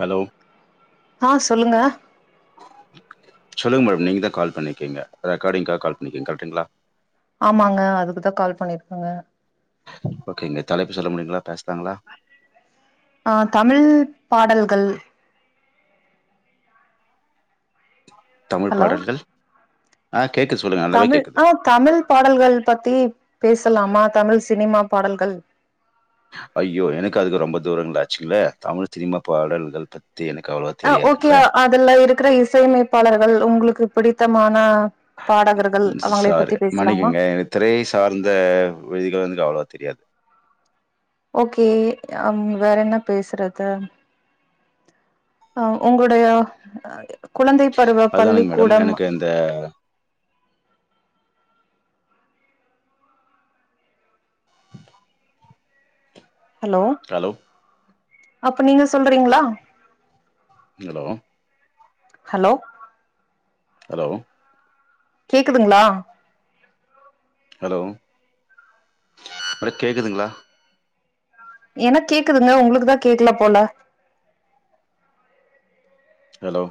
hello ஆ சொல்லுங்க சொல்லுங் மேட நீங்க தா கால் பண்ணிக்கீங்க ரெக்காடிங்கா கால் பண்ணிக்கிங்க கரட்டுங்ளா ஆமாங்க அதுக்குதா கால் பண்ணிருக்கங்க ஓகேங்க தலைப்பு சொல்ல முடியுங்ளா பேஸ் அ தமிழ் பாடல் கள் தமிழ் ஹலோ பாடல்கள் அ தமிழ் அ தமிழ் பாடல்கள் பத்தி பேசலாமா தமிழ் சினிமா பாடல்கள் ஐயோ எனக்கு அதுக்கு ரொம்ப தூரங்கள் ஆச்சுங்ளே தமிழ் சினிமா பாடல்கள் எனக்கு அவ்வளவா அ ஓகோ தெரியாதுங்களே அதுல இருக்கிற இசையமைப்பாளர்கள் உங்ளுக்கு பிடித்தமான பாடகர்கள் அவங்கள சார் பத்தி பேசலாமா மன்னிக்குங்க என திரை சார்ந்த விதிகள் வந்து அவ்ளோவா தெரியாது ஓகே வேற என்ன பேசுறது அ உங்ளுடைய குழந்தை பருவ அதுதானுங்க மேடம் பள்ளிக்கூடம் எனக்கு இந்த ஹலோ ஹலோ அப்ப நீங்க சொல்றீங்களா ஹெலோ ஹலோ ஹலோ கேக்குதுங்களா ஹலோ அட கேக்குதுங்ளா எனக் கேக்குதுங்க உங்களுக்குதா கேக்கல போல ஹலோ